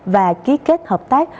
và ký kết hợp tác